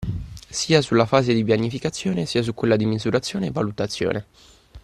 Sia sulla fase di pianificazione sia su quella di misurazione e valutazione.